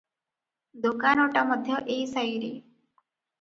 ଦୋକାନଟା ମଧ୍ୟ ଏଇ ସାଇରେ ।